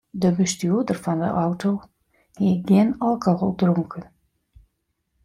De bestjoerder fan de auto hie gjin alkohol dronken.